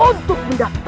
untuk membuat benih